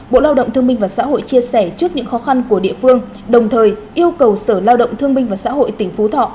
bộ lao động thương minh và xã hội chia sẻ trước những khó khăn của địa phương đồng thời yêu cầu sở lao động thương minh và xã hội tỉnh phú thọ